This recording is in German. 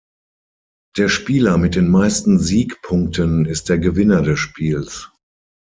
Der Spieler mit den meisten Siegpunkten ist der Gewinner des Spiels.